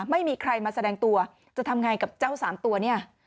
ไม่มีใครมาแสดงตัวจะทำไงกับเจ้าสามตัวเนี่ย